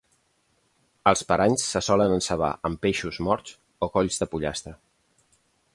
Els paranys se solen encebar amb peixos morts o colls de pollastre.